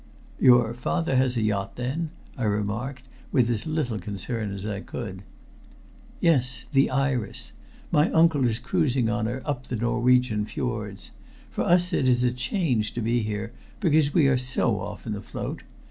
"Your father has a yacht, then?" I remarked, with as little concern as I could. "Yes. The Iris. My uncle is cruising on her up the Norwegian Fiords. For us it is a change to be here, because we are so often afloat.